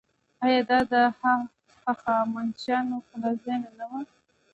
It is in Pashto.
آیا دا د هخامنشیانو پلازمینه نه وه؟